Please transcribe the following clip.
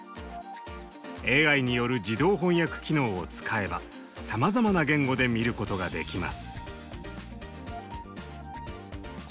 ＡＩによる自動翻訳機能を使えばさまざまな言語で見ることができます。